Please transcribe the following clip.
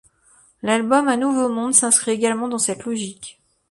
L'album Un nouveau monde s'inscrit également dans cette logique.